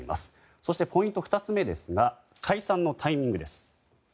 そして、ポイント２つ目ですが解散のタイミングです。